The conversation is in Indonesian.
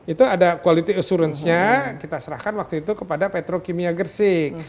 itu ada quality assurance nya kita serahkan waktu itu kepada petrokimia gersik